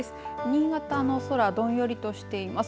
新潟の空どんよりとしています。